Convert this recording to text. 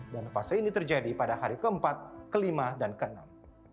dan fase ini terjadi pada hari keempat kelima dan keenam